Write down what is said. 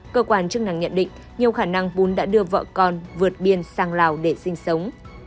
cơ quan chức năng nhận định nhiều khả năng bún đã đưa vợ con vượt biên sang lào để sinh sống